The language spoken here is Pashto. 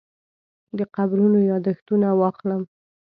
د قبرونو یاداښتونه واخلم.